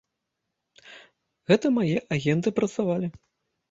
Гэта мае агенты працавалі.